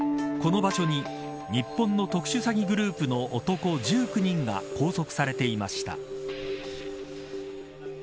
この場所に日本の特殊詐欺グループの男１９人が拘束されていました。